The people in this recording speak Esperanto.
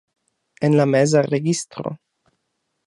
En la meza registro.